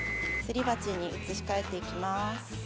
すり鉢に移し替えて行きます。